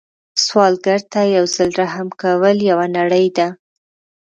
سوالګر ته یو ځل رحم کول یوه نړۍ ده